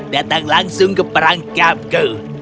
datang langsung ke perang kabgu